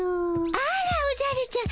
あらおじゃるちゃん。